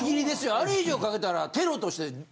あれ以上かけたら。